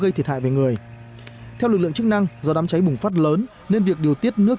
gây thiệt hại về người theo lực lượng chức năng do đám cháy bùng phát lớn nên việc điều tiết nước